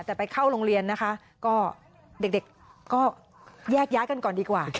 แต่ไปเข้าโรงเรียนนะคะก็เด็กก็แยกย้ายกันก่อนดีกว่า